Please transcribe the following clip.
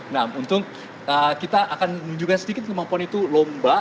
nah untung kita akan menunjukkan sedikit kemampuan itu lomba